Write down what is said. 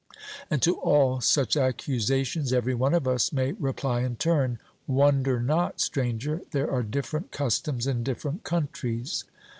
And to all such accusations every one of us may reply in turn: 'Wonder not, Stranger; there are different customs in different countries.'